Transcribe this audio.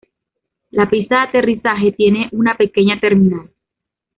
La pista de aterrizaje tiene una pequeña terminal.